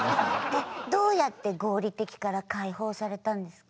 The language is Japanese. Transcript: えっどうやって合理的から解放されたんですか？